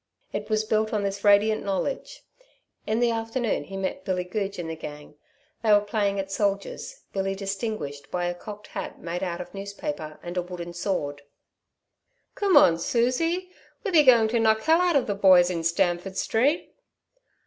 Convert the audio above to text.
It was built on this radiant knowledge. In the afternoon he met Billy Goodge and the gang. They were playing at soldiers, Billy distinguished by a cocked hat made out of newspaper and a wooden sword. "Coom on, Susie, wi be going to knock hell out of the boys in Stamford Street."